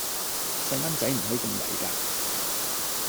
細孥仔唔可以咁曳架